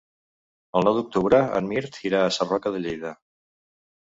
El nou d'octubre en Mirt irà a Sarroca de Lleida.